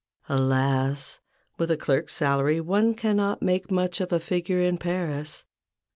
Alas ! with a clerk's salary one cannot make much of a figure in Paris.